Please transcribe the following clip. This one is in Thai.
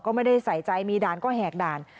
ก็ไม่ได้ใส่ใจมีด่านก็แหกด่าน